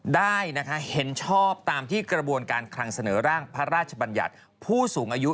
ได้เห็นชอบตามที่กระบวนการคลังเสนอร่างพระราชบัญญัติผู้สูงอายุ